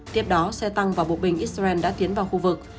tiếp đó xe tăng và bộ binh israel đã tiến vào khu vực